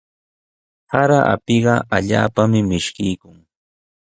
Sara apiqa allaapami mishkiykun.